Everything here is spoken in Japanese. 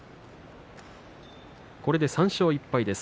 これで３勝１敗です